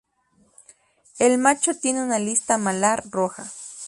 El macho tiene una lista malar roja.